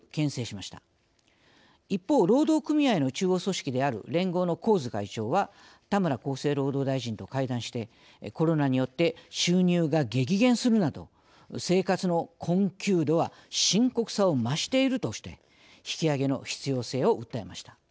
一方労働組合の中央組織である連合の神津会長は田村厚生労働大臣と会談してコロナによって収入が激減するなど生活の困窮度は深刻さを増しているとして引き上げの必要性を訴えました。